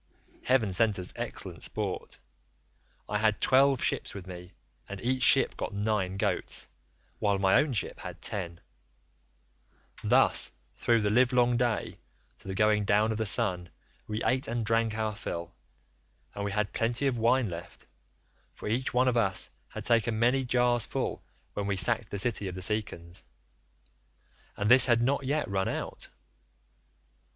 Heaven sent us excellent sport; I had twelve ships with me, and each ship got nine goats, while my own ship had ten; thus through the livelong day to the going down of the sun we ate and drank our fill, and we had plenty of wine left, for each one of us had taken many jars full when we sacked the city of the Cicons, and this had not yet run out.